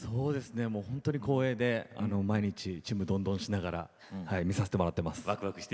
本当に光栄で毎日、「ちむどんどん」しながら見させてもらってます。